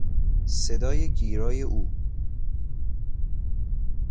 صدای گیرای او